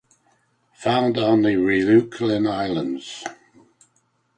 Found on Ryukyu Islands.